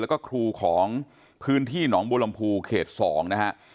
และก็ครูของพื้นที่หนองบลมภูเขต๒นะครับ